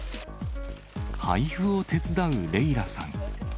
配布を手伝うレイラさん。